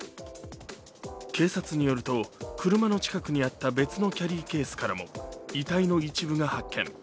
警察によると、車の近くにあった別のキャリーケースからも遺体の一部が発見。